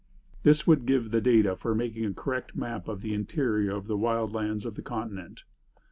This would give the data for making a correct map of the interior of the wild lands of the continent.